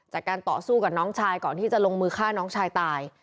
จากการต่อสู้กับน้องชายก่อนที่จะลงมือฆ่าน้องชายตาย